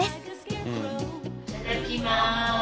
いただきます。